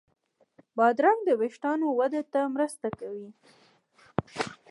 بادرنګ د وېښتانو وده ته مرسته کوي.